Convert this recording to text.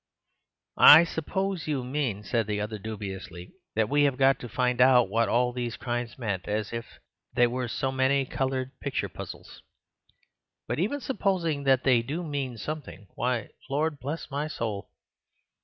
"I suppose you mean," said the other dubiously, "that we have got to find out what all these crimes meant, as if they were so many coloured picture puzzles. But even supposing that they do mean something—why, Lord bless my soul!